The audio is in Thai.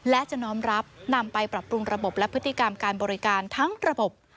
และจะน้อมรับนำไปปรับปรุงระบบและพฤติกรรมการบริการทั้งระบบ